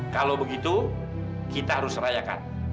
kalau begitu kita harus rayakan